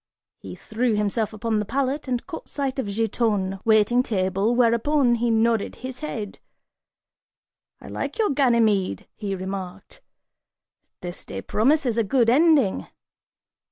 He threw himself upon the pallet and caught sight of Giton, waiting table, whereupon, he nodded his head, "I like your Ganymede," he remarked, "this day promises a good ending!"